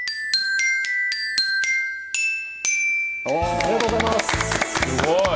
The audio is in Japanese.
ありがとうございます。